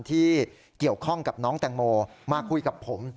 ที่เกี่ยวข้องกับน้องแตงโมมาคุยกับผม